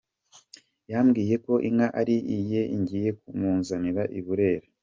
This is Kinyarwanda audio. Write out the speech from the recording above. Yambwiye ko inka ari iye ngiye kumuzanira i Burera.